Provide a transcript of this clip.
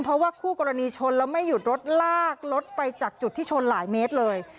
เพราะว่าคู่กรณีชนแล้วไม่หยุดรถลากรถไปจากจุดที่ชนหลายเมตรเลย